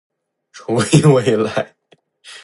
初音未来